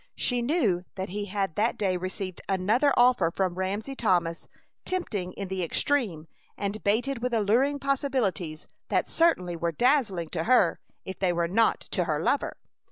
She knew that he had that day received another offer from Ramsey Thomas, tempting in the extreme, and baited with alluring possibilities that certainly were dazzling to her if they were not to her lover.